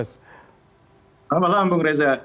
selamat malam bung reza